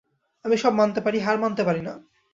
আমি সব মানতে পারি, হার মানতে পারি নে।